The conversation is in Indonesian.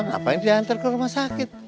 ngapain dia hantar ke rumah sakit